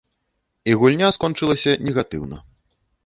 І гульня скончылася негатыўна.